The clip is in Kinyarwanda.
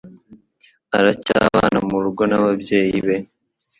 aracyabana murugo n'ababyeyi be.